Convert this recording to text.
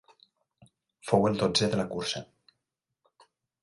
Fou el dotzè de la cursa.